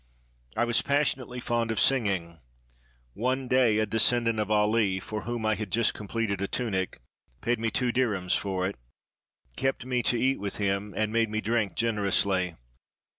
I was passionately fond of singing. One day a descendant of Ali, for whom I had just completed a tunic, paid me two dirhems for it, kept me to eat with him, and made me drink generously.